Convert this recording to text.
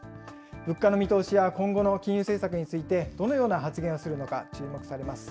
物価の見通しや、今後の金融政策についてどのような発言をするのか注目されます。